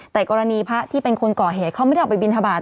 แต่กรณีพระที่เป็นคนก่อเหตุเขาไม่ได้ออกไปบินทบาท